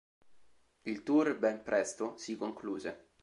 Il tour ben presto si concluse.